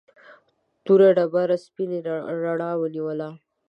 توره ډبره سپینې رڼا ونیوله.